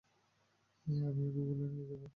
আমি ওগুলো নিয়ে যাবো।